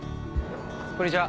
こんにちは。